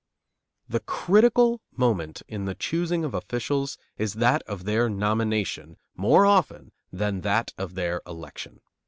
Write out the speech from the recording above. The critical moment in the choosing of officials is that of their nomination more often than that of their election.